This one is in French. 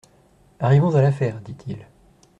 Arrivons à l'affaire, dit-il.